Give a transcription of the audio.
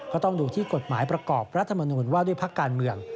ก็ต้องดูที่กฎหมายประกอบรัฐมนุนว่าด้วยพักการเมือง